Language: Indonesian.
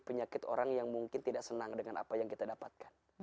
penyakit orang yang mungkin tidak senang dengan apa yang kita dapatkan